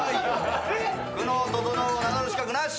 久能整を名乗る資格なし！